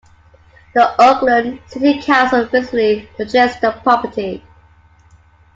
The Auckland City Council recently purchased the property.